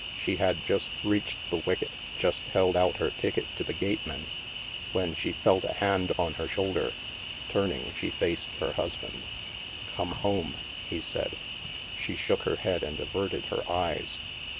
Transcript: She had just reached the wicket, just held out her ticket to the gateman, when she felt a hand on her shoulder. Turning, she faced her husband. " Come home," he said. She shook her head and averted her eyes.